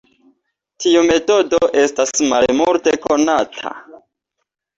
Tiu metodo estas malmulte konata.